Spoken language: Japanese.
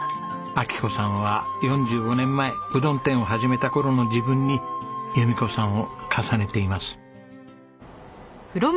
昭子さんは４５年前うどん店を始めた頃の自分に弓子さんを重ねています。